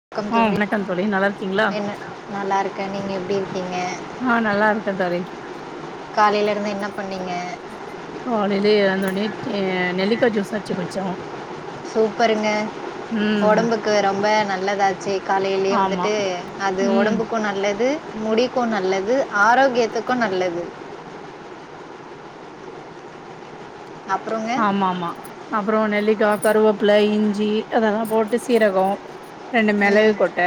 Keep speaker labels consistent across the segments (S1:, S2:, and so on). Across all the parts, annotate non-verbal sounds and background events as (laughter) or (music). S1: (unintelligible)
S2: ஆ வணக்கம் தோழி நல்லா இருக்கீங்களா
S1: என்ன நல்லாருக்கே நீங்க எப்டி இருக்கீங்க
S2: ஆ நல்லா இருக்க தோழி
S1: காலைல இருந்து என்ன பண்ணீங்க
S2: காலைல எழுந்த ஒட்னே (unintelligible) நெல்லிக்கா ஜூஸ் அச்சு குட்ச்சோ
S1: சூப்பருங்க ஒடம்புக்கு ரொம்ப நல்லதாச்சே காலேலயே
S2: ஆமா
S1: வந்துட்டு அது
S2: ம்
S1: ஒடம்புக் க்கு நல்லது முடிக்கு நல்லது ஆரோக்கியத்துக்கு நல்லது அப்புறங்க
S2: ஆமாம்மா அப்புறோ நெல்லிக்கா கருவேப்பில இஞ்சி அதெல்லா போட்டு சீரகோ ரெண்டு மிளகு
S1: ம்
S2: கொட்ட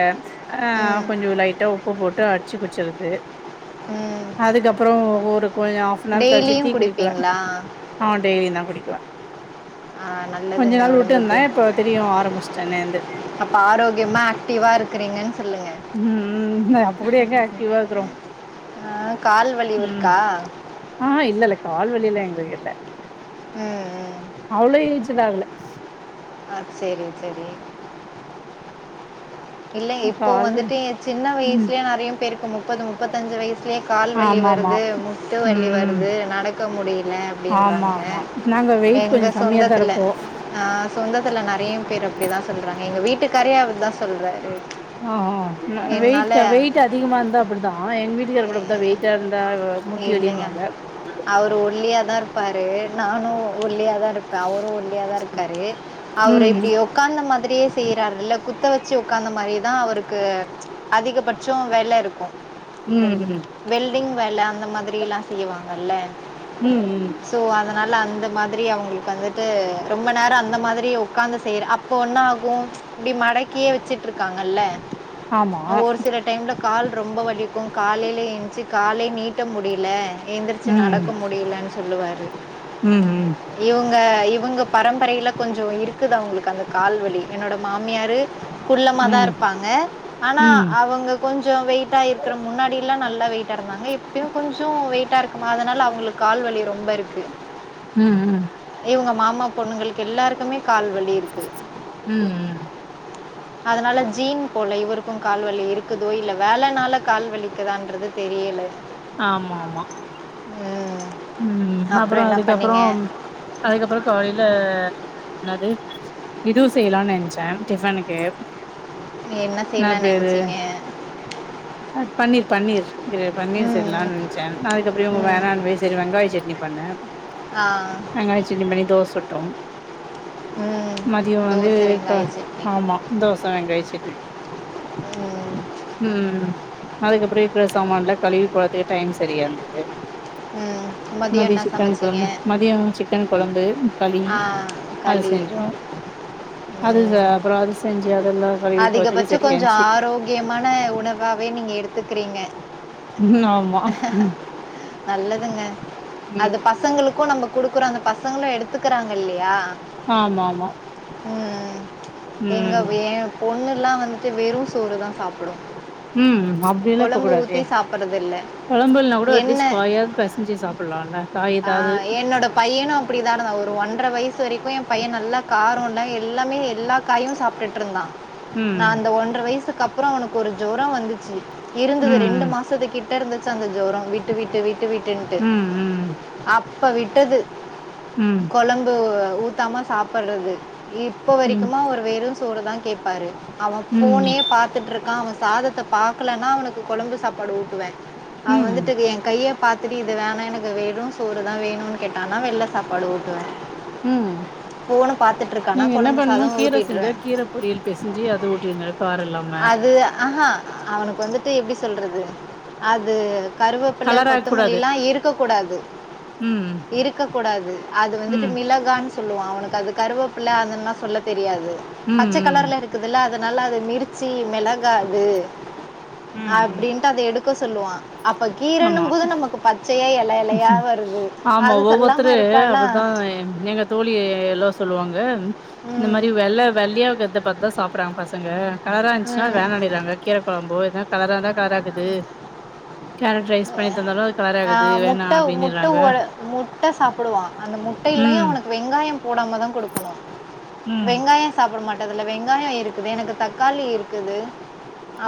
S2: ஆ
S1: ம்
S2: கொஞ்சோ லைட்டா உப்பு போட்டு அச்சு குடிச்சர்து
S1: ம்
S2: அதுக்கப்புறோ ஒரு கொஞ்சோ ஆஃப் நார் கழிச்சு
S1: டெய்லியும்
S2: டீ குடிக்குவே
S1: குடிப்பீங்களா
S2: ஆ டெய்லி தா குடிக்குவே
S1: ஆ
S2: கொஞ்ச
S1: நல்லதுங்க
S2: நாள் வுட்ருந்தே
S1: ஒடம்புக்கு
S2: இப்போ திரியு ஆரம்பிச்ட்டே னேந்து
S1: அப்ப ஆரோக்கியமா ஆக்டிவா இருக்கறீங்கன் சொல்லுங்க
S2: ம் அப்டி எங்க ஆக்டிவா இருக்கறோ
S1: ஆ கால் வலி
S2: ம்
S1: இருக்கா
S2: ஆ இல்லல்ல கால் வலியிலா எங்களுக் இல்ல
S1: ம் ம்
S2: அவ்ளோ ஏஜ்ட் ஆக்ல
S1: ஆ சேரி சேரி இல்லைங் இப்போ
S2: கால் வலி
S1: வந்துட்டு எ சின்ன
S2: ம்
S1: வயஸ்லயே நெறைய பேருக்கு முப்பது முப்பத்தஞ்சு வயஸ்லயே கால் வலி
S2: ஆமா ஆமா
S1: வருது முட்டு வலி
S2: ம்
S1: வருது நடக்க முடில
S2: ஆமா
S1: அப்டின்றாங்க
S2: ஆமா நாங்க வெயிட்
S1: எங்க
S2: கொஞ்ச கம்மியா தா
S1: சொந்தத்துல.
S2: இருப்போ
S1: ஆ சொந்தத்துல நெறைய பேர் அப்டிதா சொல்றாங்க எங்க வீட்டுக்காரே அப்டி தா சொல்றாரு
S2: ஆ வெயிட்
S1: என்னால
S2: வெயிட் அதிகமா இருந்தா அப்டிதா எங்க வீட்டுக்கார கூட அப்டிதா வெயிட்டா இருந்தா முட்டி
S1: இல்லைங்க
S2: வலினுவாங்க
S1: அவரு இல்லங்க அவுரு ஒல்லியாதா இருப்பாரு நானு ஒல்லியாதா இருப் பே அவரு ஒல்லியாதா இருக்காரு அவரு
S2: ம்
S1: இப்டியோ உக்காந்த மாத்ரியே செய்யறார்கல்ல குத்த வெச்சு உக்காந்த மாரிதா அவுருக்கு அதிகபட்சோ வேல இருக்கு
S2: ம் ம்
S1: வெல்டிங் வேல அந்த மாத்ரில்லா செய்வாங்கல்ல
S2: ம் ம்
S1: ஸோ அதனால அந்த மாத்ரி அவுங்குளுக் வந்துட்டு ரொம்ப நேரோ அந்த மாத்ரியே உக்காந்து செய்ர ப்போ ஒன்னாகு இப்டி மடக்கியே வெச்சுட்டுருக்காங்கல்ல
S2: ஆமா
S1: ஒரு சில டைம்ல கால் ரொம்ப வலிக்கு காலைலயே எஞ்சு காலே நீட் ட்ட முடில எந்திரிச்சு
S2: ம்
S1: நடக்க முடியலேன் சொல்லுவாரு
S2: ம் ம்
S1: இவுங்க இவுங்க பரம்பரையில கொஞ்சோ இருக்குது அவுங்குளுக் அந்த கால் வலி என்னோட மாமியாரு குள்ளமா தா
S2: ம்
S1: இருப்பாங்க ஆனா
S2: ம்
S1: அவங்க கொஞ்ச வெயிட்யாயிருக்ற முன்னாடி எல்லா நல்லா வெயிட்டா இருந்தாங்க இப் இப்பயு கொஞ்சோ வெயிட்டா இருக்குமா அதனால அவுங்குளுக் கால்வலி ரொம்ப இருக்கு
S2: ம் ம் ம்
S1: இவங்க மாமா பொண்ணுங்களுக்கு எல்லாருக்குமே கால்வலி இருக்கு
S2: ம் ம்
S1: அதனால ஜீன் போல இவருக்கு கால்வலி இருக்குதோ இல்ல வேலநால கால் வலிக்குதான்றது தெரியல
S2: ஆமா ஆமா
S1: ம்
S2: ம் அப்புறோ
S1: அப்புறம் என்ன
S2: அதுக்கப்புறோ
S1: பண்ணீங்க
S2: அதுக்கப்புறோ காலயில என்னது இதுவு செய்யலாம்னு நினைச்சே டிஃபனுக்கு
S1: நீ
S2: என்ன
S1: செய்யலாம்னு
S2: பேரு
S1: நினச்சிங்க
S2: பன்னீர் பன்னீர் பன்னீர்
S1: ம்
S2: சரியலாம்னு நினைச்சே அதுக்கப்புறோ இவங்க
S1: ம்
S2: வேணனு னா சேரி வெங்காய சட்னி பண்ணே
S1: ஆ
S2: வெங்காய சட்னி பண்ணி தோச சுட்டோ
S1: ம்
S2: மதியோ வந்து
S1: தோச
S2: க
S1: வெங்காய சட்னி
S2: ஆமா தோச வெங்காய சட்னி
S1: ம்
S2: ம் அதுக்கப்புறோ இருக்கிற சமானான்ல கழுவி போறதுக்கு டைம் சரியா இருந்தது
S1: ம் மதியம்
S2: மதியோ
S1: என்ன
S2: சிக்கன்
S1: சமைச்சீங்க
S2: குழம்பு மதியோ சிக்கன் குழம்பு களி
S1: ஆ
S2: அது
S1: களி
S2: செஞ்சோ அது சா அப்புறோ அது செஞ்சு அதெல்லா கழுவி போறதுக்கு
S1: அதிகபட்சோ
S2: சரியா
S1: கொஞ்சோ
S2: இருந்துச்சு
S1: ஆரோக்கியமான உணவாவே நீங்க எடுத்துக்கறீங்க
S2: ம் ஆமா ம்
S1: நல்லதுங்க அது
S2: ம்
S1: பசங்களுக்கு நம்ம குடுக்குறோ அந்த பசங்களு எடுத்துக்கறாங்க இல்லயா
S2: ஆமா ஆமா
S1: ம் எங்க என் பொண்ணு எல்லா வந்துட்டு வெறு சோறு தா சாப்பிடு
S2: ம் அப்படிலா ஆ கூடாே இருக்க கூடதே
S1: சாப்பிட்றது இல்ல
S2: குழம்புல்னா கூட அட்லீஸ்ட்
S1: எண்ணெய்
S2: காயாவது பேசஞ்சு சாப்படுனு பல்லான
S1: ஆ என்னோட பையனு அப்படிதா இருந்தா ஒரு ஒன்றரை வயசு வரைக்கு என் பையன் நல்லா காரம் இல்ல எல்லாமே எல்லா காயு சாப்பிட்டுட்டு இருந்தா நா
S2: ம்
S1: அந்த ஒன்றரை வயசுக்கு அப்புறோ அவனுக்கு ஒரு ஜோரோ வந்துச்சு இருந்தது ரெண்டு
S2: ம்
S1: மாச (unintelligible) கிட்ட இருந்துச்சு அந்த ஜோரோ விட்டுட்டு விட்டு விட்டு விட்டுன்ட்டு.
S2: ம் ம்
S1: அப்ப விட்டது
S2: ம்
S1: குழம்ப ஊத்த மா சாப்படறது இப்ப
S2: ம்
S1: வரைக்குமா அவரு வெறு சோறு தா கேட்பாரு அவன்
S2: ம்
S1: போனே பாத்துட்டுருக்கா அவன் சாதத்தை பாக்கலன்னா அவனுக்கு குழம்பு சாப்பாடு ஊட்டுவே அவன்
S2: ம்
S1: வந்துட்டு என் கையை பாத்துட்டு இது வேணாம் எனக்கு வே (unintelligible) சோறுதா வேணும்னு கேட்டானா வெள்ள சாப்பாடு தா உட்டுவே
S2: ம்
S1: போன பாத்துட்டு இருக்கானா
S2: நீங்க என்ன
S1: கொழம்பு
S2: பண்ணு
S1: சாத
S2: கீர செஞ்சா
S1: ஊட்டிட்டுருவே
S2: கீர பொரியல் பேசஞ்சு அது ஊட்டிருந்தங்க கார எல்லா
S1: அது ஆஹா அவனுக்கு வந்துட்டு எப்டி சொல்றது அது கருவேப்பில
S2: கலராக்க கூடாது
S1: கொத்தமொல்லில்லா இருக்க கூடாது
S2: ம்
S1: இருக்க கூடாது அது வந்துட்டு
S2: ம்
S1: மிளகான்னு சொல்லுவா அவனுக்கு அது கருவேப்பிள்ளை அததுல்லா சொல்ல தெரியாது
S2: ம்
S1: பச்சை
S2: ம்
S1: கலர்ல இருக்குதுல்ல அததுனல்ல அது மிர்ச்சி மிளகாய இது
S2: ம் ம்
S1: அப்டின்ட்டு அத எடுக்க சொல்லுவா அப்ப கீறனு
S2: ஆமா
S1: போது நமக்கு பச்சையா இலை இலையா வருது.
S2: ஆமா
S1: அது சொல்லாம
S2: ஒவ்வொருத்தரு
S1: இருப்பானா?
S2: அவர் தா ஏங்க தோழி எல்லா சொல்லுவாங்க இந்த
S1: ம்.
S2: மாரி வெள்ளை வெள்ளியையாத பார்த்ததா சாப்பறாங்க பசங்க கலரா இருந்துச்சுன்னா வேணாடிறாங்க கீரா குழம்பு ஏதா கலரா இருந்தா கலராக்குது கேரட்ரைஸ் பண்ணி தந்தாலு அது கலர்
S1: அ
S2: ஆகுது வேணா
S1: முட்ட முட்ட
S2: அப்படின்னுறாங்க
S1: ஓடு முட்ட சாப்டுவா அந்த முட்டேல்யு
S2: ம்
S1: அவுனுக்கு வெங்காயம் போடாம தா குடுக்கணு
S2: ம்
S1: வெங்காய சாப்ட மாட்டா இதுல வெங்காய இருக்குது எனக்கு தக்காளி இருக்குது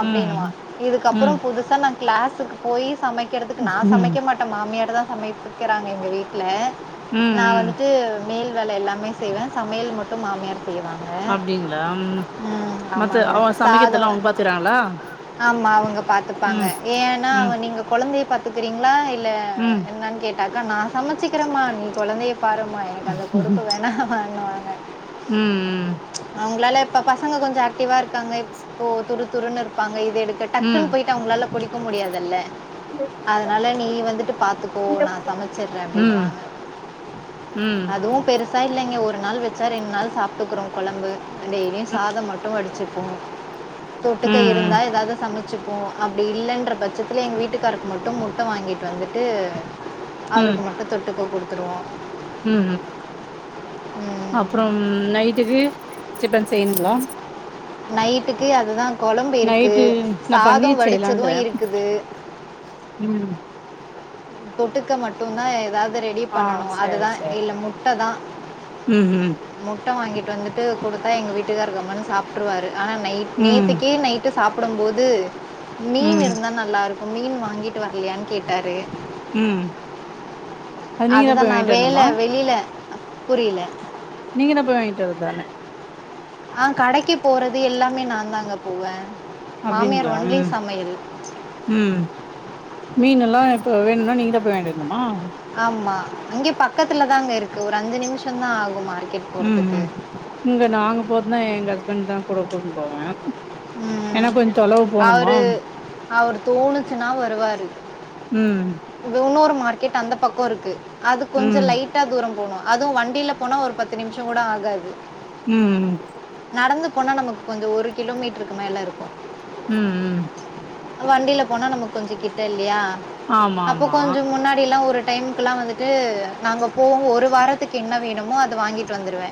S1: அப்டினுவா இதுக்கப்றோ
S2: ம்
S1: புதுசா நா கிளாஸுக்கு போயி சமைக்கறதுக்கு நா
S2: ம்
S1: சமைக்க மாட் மாமியார தா சமைப்பிக்கிறாங்க எங்க வீட்ல
S2: ம்
S1: நா
S2: ம்
S1: வந்துட்டு மேல் வேல எல்லாமே செய்வே சமையல் மட்டு மாமியார் செய்வாங்
S2: அப்டிங்களா ம் மத்த
S1: ஆமாங்க
S2: அவங்க சமைக்கற்துலா அவங்க
S1: சாதம்
S2: பாத்துக்கிறாங்ளா
S1: ஆமா அவங்க பாத்துப்பாங்க ஏனா
S2: ம்
S1: அவ நீங்க கொழந்தைய பாத்துக்கிறீங்ளா இல்ல
S2: ம்
S1: என்னான் கேக் அதா நா சமச்சிகிறேமா நீ கொழந்தைய பாருமா எனக்கு அந்த
S2: ம்
S1: பொறுப்பு வேணானாங்க
S2: ம்
S1: அவங்களால இப்ப பசங்க கொஞ்ச ஆக்டிவா இருக்காங்க இப்போ துரு துருனு இருப்பாங்க இது எடுக்க
S2: ம்
S1: டக்குன்னு
S2: ம்
S1: பொயிட்டு அவங்களால புடிக்க முடியாதுல்ல அதனால நீ வந்துட்டு பாத்துக்கோ நா சமச்சர்றே
S2: ம்
S1: அப்டினுவாங்க
S2: ம் ம் ம்
S1: அதுவு பெருசா இல்லைங்க ஒரு நாள் வச்சா ரெண்டு நாள் சாப்ட்டுகுறோ கொழம்பு டெய்லியு சாதம் மட்டு வடிச்சிப்போ
S2: ம்
S1: தொட்டுக்க இருந்தா எதாது சமச்சிப்போ அப்டி இல்லன்ற பட்சத்துல எங்க வீட்டு க்காருக்கு மட்டு முட்ட வாங்கிட்டு வந்துட்டு
S2: ம்
S1: அவுருக்கு மட்டு தொட்டுக்க குடுத்துருவோ
S2: ம் ம்
S1: ம்
S2: அப்றம் நைட்டுக்கு டிபன் செய்ணுங்ளா
S1: நைட்டுக்கு அதுதா கொழம்பு இருக்கு
S2: நைட்டு நா
S1: சாத
S2: பன்னீர்
S1: வடிச்சது
S2: செய்யலான்னுக்குறே
S1: இருக்குது
S2: ம்
S1: தொட்டுக்க மட்டுதா எதாது ரெ டி
S2: ஆ
S1: பண்ணனு
S2: சேர்
S1: அதுதா
S2: சேர்
S1: இல்ல முட்ட தா
S2: ம் ம்
S1: முட்ட வாங்கிட்டு வந்துட்டு குடுத்தா எங்க வீட்டுக்கார்ரு கம்முனு சாப்ட்ருவாரு ஆனா நைட்
S2: ம்
S1: நேத்திக்கு நைட்டு சாப்டம்போது மீன்
S2: ம்
S1: இருந்தா நல்லா இருக்கு மீன் வாங்கிட்டு வர்லயான்னு கேட்டாரு
S2: ம் அது நீங்க தா
S1: அதுதா
S2: போய்
S1: நா
S2: வாங்கிட்டு
S1: வேல
S2: வரணுமா
S1: வெளில புரில
S2: நீங்கனா போய் வாங்கிட்டு வரதானே
S1: ஆ கடைக்கி போறது எல்லாமே நா தாங்க போவ மாமியார்
S2: அப்டிங்களா
S1: ஒன்லி
S2: ம்
S1: சமையல்
S2: ம் மீன் எல்லா இப்ப வேணுனா நீங்க தா போய் வாங்கிட்டு வரணுமா
S1: ஆமா இங்க பக்கத்துலதாங்க இருக்கு ஒரு அஞ்சி நிமிஷோ தா ஆகு மார்க்கெட்
S2: ம்
S1: போறதுக்கு.
S2: ம் இங்க நாங்க போறதுனா எங்க ஹஸ்பண்ட் தா கூட கூட்னுபோவ
S1: ம் அவுரு அவுரு தோணுசின்னா வருவாரு
S2: ம்
S1: இன்னொரு மார்க்கெட் அந்த பக்கோ இருக்கு அது கொஞ்ச
S2: ம்
S1: லைட் டா தூர போனு அதுவு வண்டியில போனா ஒரு பத்து நிமிஷோ கூட ஆகாது
S2: ம்
S1: நடந்து போனா நமக்கு கொஞ்ச ஒரு கிலோமீட்ருக்கு மேல இருக்கு
S2: ம் ம்
S1: வண்டியில போனா நமக்கு கொஞ்ச கிட்ட இல்லயா
S2: ஆமா
S1: அப்போ
S2: ஆமா
S1: கொஞ்ச முன்னாடிலா ஒரு டைமுக்லா வந்துட்டு நாங்க போவோ ஒரு வாரத்துக்கு என்ன வேணுமோ அத வாங்கிட்டு வந்துருவே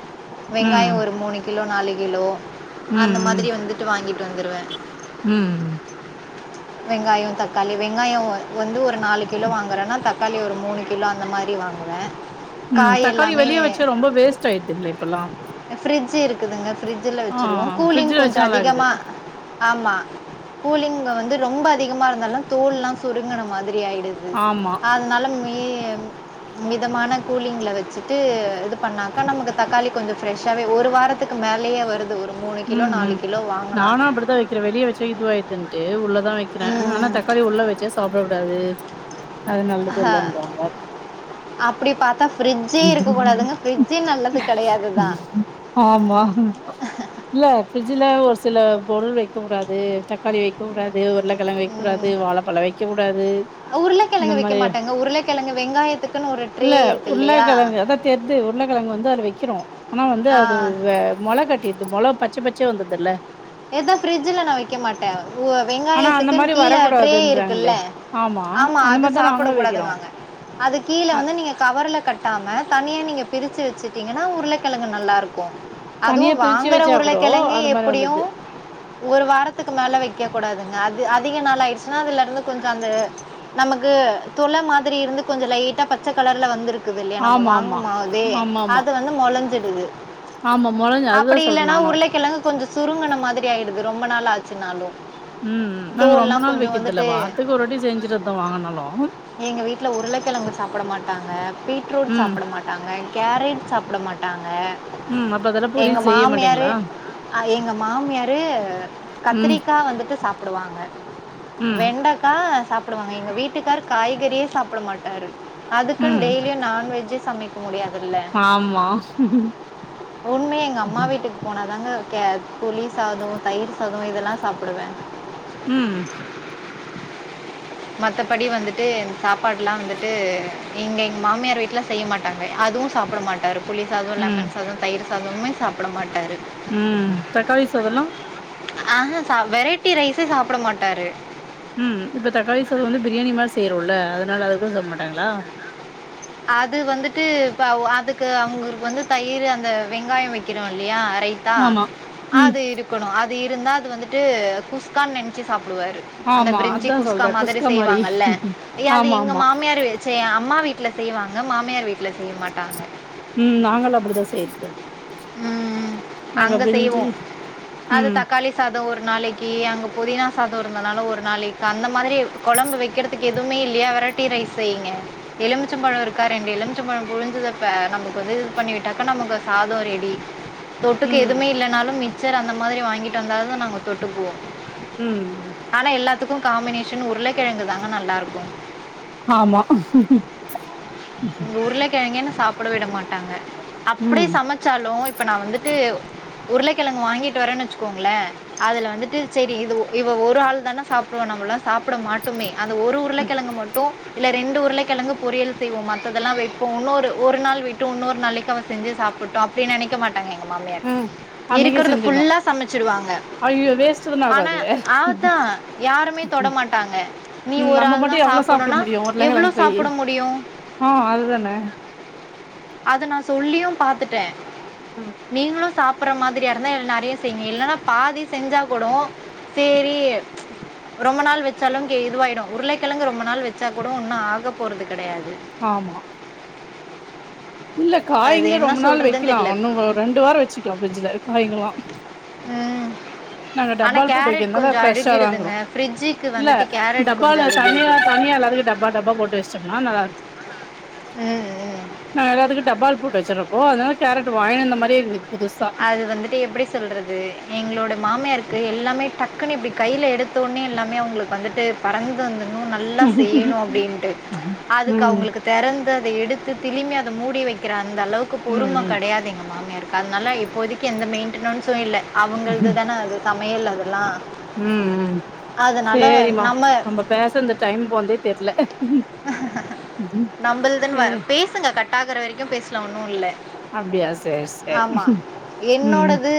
S2: ம்
S1: வெங்காயோ ஒரு மூணு கிலோ நாலு கிலோ
S2: ம்
S1: அந்த மாதிரி வந்துட்டு வாங்கிட்டு வந்துருவே
S2: ம்
S1: வெங்காயோ தக்காளி வெங்காயோ வந்து ஒரு நாலு கிலோ வாங்குறேனா தக் க்காளி ஒரு மூணு கிலோ அந்த மாரி வாங்குவே
S2: ம் தக்காளி வெளிய வச்ச ரொம்ப வேஸ்ட் ஆயிடுதுங்களே இப்பெல்லா
S1: ஃப்ரிட்ஜ் இருக்குதுங்க பிரரிட்ஜ்ல வச்சருவோ கூலிங்
S2: ஃப்ரிட்ஜ்ல
S1: கொஞ்சோ
S2: வச்சா நல்லாக்குது
S1: அதிகமா ஆமா கூலிங்க வந்து ரொம்ப அதிகமா இருந்தாலு தோள் எல்லா சுருங்கின மாதிரி ஆயிடு து
S2: ஆமா
S1: அதனால மி மிதமான கூலிங்ல வச்சுட்டு இது பண்ணாக்கா நமக்கு தக்காளி கொஞ்ச ஃப்ரெஷ்ஷாவே ஒரு வாரத்துக்கு மேலயே வருது ஒரு மூணு கிலோ நாலு கிலோ வாங்கனா
S2: க்கிற வெளிய வெச்சா இதுவாயிதுன்ட்டு உள்ளதா வக்கிறே ஆனா
S1: ம்.
S2: தக்காளி உள்ள வச்சு சாப்ட கூடாது அது நல்லது இல்லனுபாங்க
S1: அப்டி பாத்தா ஃப்ரிட்ஜ்ஜே இருக்க கூடாதுங்க ஃப்ரிட்ஜ் நல்லது கடையாதுதா
S2: ஆமா இல்ல ஃப்ரிட்ஜ்ல ஒரு சில பொருள் வெக்க கூடாது தக்காளி வெக்க வெக்க கூடது உருளக்கெழங்கு வெக்க கூடாது வாழைப்பழோ வெக்க கூடாது இந்த
S1: உருளக்கெழங்கு வெக்க
S2: மாரி
S1: மாட்டாங்க உருளக்கெழங்கு வெங்காயத்துக்குனு ஒரு ட்ரே இருக்கு இல்லயா
S2: கெழங்கு அதா தெரிது உருளக் கெழங்கு வந்து அதுல வெக்கிறோ ஆனா வந்து அது
S1: ஆ.
S2: மொளகட் அது மொள பச்ச பச்சயா வந்துடுது இல்ல
S1: ஏதா பிரஃரிட்ஜ்ல நா வெக்க மாட்ட உ
S2: ஆனா அந்த
S1: வெங்காயத்துக்குன்னு
S2: மாரி
S1: கீழ ட்ரே இருக்குல்ல
S2: வரக்கூடாதுன்றாங்களே
S1: ஆமா
S2: அந்த
S1: அது
S2: மாரிதா
S1: சாப்பட
S2: நாங்களு வைக்கிறோ
S1: கூடாதுன்னுவாங்க அது கீழ
S2: அ
S1: வந்து நீங்க கவர்ல கட்டாம தனியா நீங்க பிரிச்சு வச்சுட்டீங்கன்னா உருளக்கெழங்கு நல்லா இருக்கு அதுவு
S2: தனியா பிரிச்சு
S1: வாங்குற
S2: வச்சா கூடோ
S1: உருளக்கெழங்கு
S2: அந்த மாரி
S1: எப்டியு
S2: வந்துடுது
S1: ஒரு வாரத்துக்கு மேல வெக்க கூடாதுங்க அது அதிக நாள் ஆயிடுச்சுன்னா அதுல இருந்து கொஞ்ச அந்த நமக்கு துள மாதிரி இருந்து கொஞ்சோ லைட்டா பச்ச கலர்ல வந்திருக் குது இல்லயா நம்ம
S2: ஆமா ஆமா
S1: வாங்கமோதே
S2: ஆமா ஆமா
S1: அது மொளஞ்சிடுது
S2: ஆமா மொளஞ்ச அதுதா
S1: அப்டி
S2: சொல்றே
S1: இல்லன்னா
S2: நானு
S1: உருளக்கிழங்கு கொஞ்ச சுருங்கின மாதிரி ஆயிடுது ரொம்ப நாள் ஆச்சுனா
S2: ம் நாங்க ரொம்ப நாள் வெக்கிறது இல்ல வாரத்துக்கு ஒருவாட்டி செஞ்சுட்றதா வாங்கனாலு
S1: எங்க வீட்ல உருளக்கெழங்கு சாப்பட மாட்டாங்க பீட்ரூட்
S2: ம்
S1: சாப்பட மாட் ட்டாங்க கேரட் சாப்ட மாட்டாங்க
S2: ம் அப்ப அதெல்லா
S1: எங்க
S2: பொரியல் செய்ய
S1: மாமியாரு
S2: மாட்டீங்களா
S1: அ எங்க மாமியார் ஏ
S2: ம்
S1: கத்திரிக்கா வந்துட்டு சாப்டுவாங்க
S2: ம்
S1: வெண்டக்கா சாப் ட்டுருவாங்க எங்க வீட்டுக்கார் காய்கறியே சாப்ட மாட்டாரு அதுக்குனு
S2: ம்
S1: டெய்லியு நான்வெஜ்ஜே சமைக் க்க முடியாதுல்ல
S2: ஆமா
S1: உண்மயா எங்க அம்மா
S2: ம்
S1: வீட்டுக்கு போனாதாங்க கே புளி சாதோ தயிரு சாதோ இதெல்லா சாப்டுவே
S2: ம்
S1: மத்தபடி வந்துட்டு சாப்பாடுலா வந்துட்டு இங்க எங்க மாமியார் வீட்ல செய்ய மாட் டாங்க அதுவு சாப்ட மாட்டாரு புளி சாதோ, லெமன் சாதோ, தயிரு சாதமுமே சாப்ட மாட்டாரு
S2: ம் தக்காளி சாதம்லா
S1: ஆஹ வெரைட்டி ரைஸே சாப்ட மாட்டாரு
S2: ம் இப்ப தக்காளி சாதம் வந்து பிரியாணி மாரி செய்றோல்ல அதனால அது கூட சாப்டமாட்டாங்ளா
S1: அது வந்துட்டு இப்ப ஒ அதுக்கு அவுங்களுக்கு வந்து தயிரு அந்த வெங்காயொ வைக்கிறோ இல்லயா ரைத் தா
S2: ஆமா ம்
S1: அது இருக்கணு அது இருந்தா அது வந்துட்டு குஸ்கான்னு நெனைச்சு சாப்டுவாரு அந்த
S2: ஆமா
S1: பிரிஞ்சி
S2: அதா
S1: குஸ்கா
S2: சொல்றே
S1: மாதிரி
S2: மாரி
S1: செய்வாங்கல்ல ஐய்ய அது
S2: ஆமா
S1: எங்க
S2: ஆமா
S1: மாமியாரு செய்ய அம்மா வீட்ல செய்வாங்க மாமியார் வீட்ல செய்ய மாட்டாங்க
S2: ம் நாங்கெல்லா அப்டிதா செய்யறது
S1: ம் அங்க செய்வோ அது
S2: ம்
S1: தக்காளி சாதோ ஒரு நாளைக்கி அங்க புதினா சாதோ இருந்தனால ஒரு நாளைக்கு அந்த மாதிரி கொழம்பு வைக்கிற துக்கு எதுமே இல்லயா வெரட்டி ரைஸ் செய்ங்க எலுமிச்ச பழோ இருக்கா ரெண்டு எலுமிச்ச பழம் புழிஞ்சத இப்ப நமக்கு வந்து இது பண்ணிவிட்டாக்கா நமக்கு சாதோ ரெ டி தொட்டுக்க
S2: ம்
S1: எதுமே இல்லனாலு மிக்சர் அந்த மாதிரி வாங்கிட்டு வந்தாவு நாங்க தொட்டுக்குவோ
S2: ம்
S1: ஆனா எல்லாத்துக்கு காம்பினேஷன் உருளக்கெழங்கு தாங்க நல்லா இருக்கும்
S2: ஆமா
S1: உருள கெழங்கே என்ன சாப்பிட விட மாட்டாங்க அப்டியே
S2: ம்
S1: சமைச்சாலு இப்ப நா வந்துட்டு உருளக்கெழங்கு வாங்கிட்டு வரேன்னு வச்சுக்கோங்களே அதுல வந்துட்டு சேரி இது இவ ஒரு ஆள் தான சாப்டுவா நம்மல்லா சாப்ட மாட்டோமே அந்த ஒரு
S2: ம்
S1: உருளக்கெழங்கு மட்டு இல்ல ரெண்டு உருளக்கெழங்கு பொரியல் செய்வோ மத்ததெல்லா வெப்போ இன்னொரு ஒரு நாள் விட்டு இன்னொரு நாளைக்கு அவ செஞ்சு சாப்புட்டும் அப்டி நெனைக்க மாட் டாங்க எங்க மாமியார்
S2: ம் அன்னைக்கே
S1: இருக்கறது
S2: செஞ்சிட்ணு
S1: ஃபுல்லா சமைச்சிடுவாங்க
S2: ஐயோ வேஸ்ட் தான
S1: ஆனா
S2: ஆகாது
S1: ஆத்தா யாருமே தொட
S2: ம்
S1: மாட்டாங்க நீ ஒரு
S2: நம்ம
S1: ஆள்
S2: மட்டு
S1: தா
S2: எவ்ளோ சாப்ட
S1: சாப்புட்னுன்னா
S2: முடியு
S1: எவ்ளோ
S2: உருளக்கெழங்கு போயி
S1: சாப்பிட முடியு
S2: ஆ அது தானே
S1: அத நா சொல்லியு பாத்துட்டே
S2: ம்
S1: நீங்களு சாப் பற்ற மாதிரியா இருந்தா நெறையா செய்ங்க இல்லன்னா பாதி செஞ்சா கூடோ சேரி ரொம்ப நாள் வச்சாலுக்கே இதுவாயிடும் உருளக்கெழங்கு ரொம்ப நாள் வச்சா கூட ஒன்னும் ஆக போறது கெடையாது
S2: ஆமா இல்ல
S1: அது
S2: காய்ங்களே
S1: என்ன
S2: ரொம்ப நாள்
S1: சொல்றதுன்
S2: வெக்கலா
S1: தெர்ல
S2: ஒன்னு ரெண்டு வாரோ வச்சுக்கலா ஃப்ரிட்ஜ்ல காய்ங்கல்லா
S1: ம்
S2: நாங்க
S1: ஆனா
S2: டப்பால போட்டு
S1: கேரட்
S2: வெக்கறதுனால
S1: கொஞ்சோ
S2: ஃப்ரெஷ்ஷா தாங்றோ
S1: அழுகிடுதுங்க ஃப்ரிட்ஜுக்கு
S2: இல்ல
S1: வந்துட்டு கேரட் கொஞ்சோ
S2: டப்பால தனியா
S1: அழுகிடுது
S2: தனியா எல்லாருக்கு டப் பா டப்பா போட்டு வச்டோன்னா நல்லார்க்
S1: ம் ம்
S2: நாங்க எல்லாத்துக்கு டப்பால போட்டு வச்சிருப்போ அதனால கேரட் வாங்கினுவந்தமாறியே இருக்குது புதுசா
S1: அது வந்துட்டு எப்டி சொல்றது எங்களோட மாமியாருக்கு எல்லாமே டக்குன்னு இப்டி கைல எடுத்த உட்னே எல்லாமே அவுங்களுக்கு வந்துட்டு பறந்து வந்துடனும் நல்லா செய்யனும் அப்டின்ட்டு
S2: ம்
S1: அதுக்கு
S2: ம்
S1: அவுங்களுக்கு தெறந்து அத எடுத்து திரும்பி அத மூடி வைக்கிற அந்த அளவுக்கு பொறும
S2: ம்
S1: கெடையாது எங்க மாமியாருக்கு அதனால இப்போதக்கி எந்த மெயின்டனன்ஸ்சும் இல்ல
S2: ம்
S1: அவுங்கள்துதானே அது சமையல் அதெல்லா
S2: ம்
S1: அதனால நம்ம
S2: பேஸ்சன்து டைம் போனதே தெர்ல
S1: நம்பள்துன் வ
S2: ஏ
S1: பேசுங்க கட்டாக்குற வரைக்கும் பேசலா ஒன்னும் இல்ல
S2: அப்டியா சேர் சேர்
S1: என்னோடது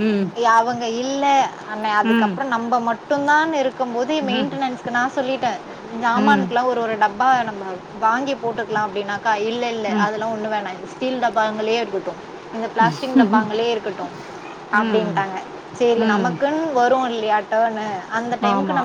S2: ம்
S1: அவங்க இல்ல அ
S2: ம்
S1: அதுக்கப்றோ நம்ம மட்டுந்தான்னு இருக்கும் போது
S2: ம்
S1: மெயின்டனஸ்க்கு நா சொல்லிட்டே
S2: ம்
S1: ஜமான்க்ல்லா ஒரு ஒரு டப்பா நம்ம வாங்கி போட்டுக்கலா அப்டின்னாக்கா இல்ல இல் இல்ல
S2: ம்
S1: அதெல்லா ஒண்ணு வேணா இந்த ஸ்டீல் டப்பாங்களே இருக்கட்டும் இந்த பிளாஸ்டிக் டப்பாங்களே இருக்கட்டும்
S2: ம்
S1: அப்டின்ட்டாங்க சேரி
S2: ம்
S1: நமக்குன்னு வரும் இல்லயா ட்டேன்னு அந்த டைம்க்கு நம்
S2: ஆமா